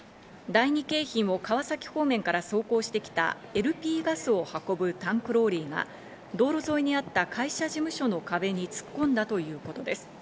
第二京浜を川崎方面から走行してきたＬＰガスを運ぶタンクローリーが道路沿いにあった会社事務所の壁に突っ込んだということです。